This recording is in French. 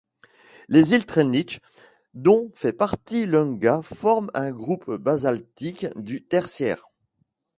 Les îles Treshnish dont fait partie Lunga forment un groupe basaltique du tertiaire.